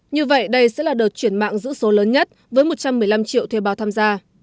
như vậy đây sẽ là đợt chuyển mạng giữ số lớn nhất với một trăm một mươi năm triệu thuê bao tham gia